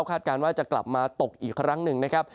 การว่าจะกลับมาตกอีกครั้งหนึ่งนะครับ